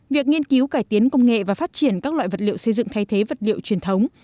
việc nghiên cứu cải tiến công nghệ và phát triển các loại vật liệu xây dựng thay thế vật liệu truyền thống